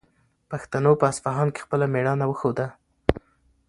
پښتنو په اصفهان کې خپله مېړانه وښوده.